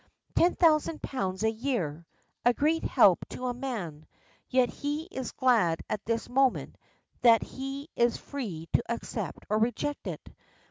Ten thousand pounds a year! A great help to a man; yet he is glad at this moment that he is free to accept or reject it.